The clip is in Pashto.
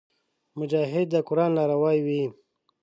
مجاهد د قران لاروي وي.